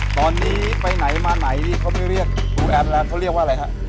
ตอนนี้ไปไหนมาไหนนี่เขาไม่เรียกครูแอดแล้วเขาเรียกว่าอะไรฮะ